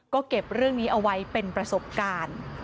ก็เก็บเรื่องนี้เอาไว้เป็นประสบการณ์